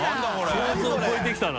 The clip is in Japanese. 予想を超えてきたな。